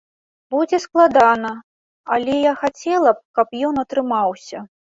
Будзе складана, але я хацела б, каб ён атрымаўся.